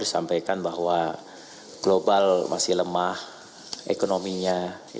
sampaikan bahwa global masih lemah ekonominya